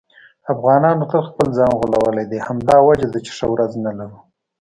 افغانانو تل خپل ځان غولولی دی. همدا وجه ده چې ښه ورځ نه لرو.